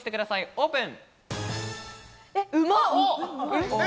オープン！